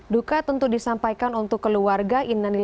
duka tentu disampaikan untuk keluarga